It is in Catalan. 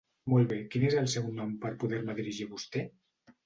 Molt bé, quin és el seu nom per poder-me dirigir a vostè?